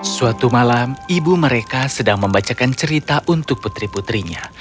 suatu malam ibu mereka sedang membacakan cerita untuk putri putrinya